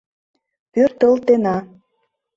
Пӧртылтена».